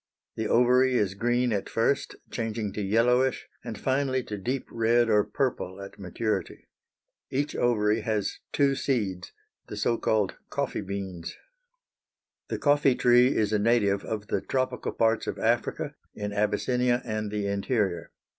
The ovary is green at first, changing to yellowish, and finally to deep red or purple at maturity. Each ovary has two seeds, the so called coffee beans. The coffee tree is a native of the tropical parts of Africa, in Abyssinia and the interior.